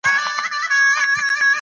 قتاده د اسلامي تاریخ یو مهم شخصیت و.